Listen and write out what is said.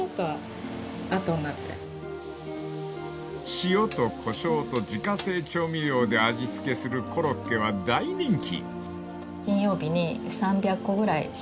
［塩とコショウと自家製調味料で味付けするコロッケは大人気］